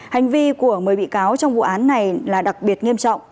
hành vi của một mươi bị cáo trong vụ án này là đặc biệt nghiêm trọng